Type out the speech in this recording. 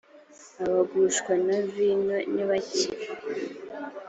abagushwa na vino nibake.